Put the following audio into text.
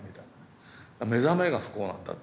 目覚めが不幸なんだって。